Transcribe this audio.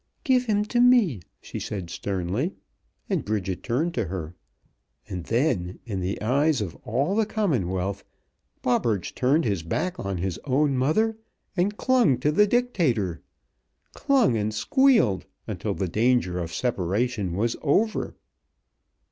"Give him to me," she said sternly, and Bridget turned to her. And then, in the eyes of all the Commonwealth, Bobberts turned his back on his own mother and clung to the Dictator! Clung, and squealed, until the danger of separation was over.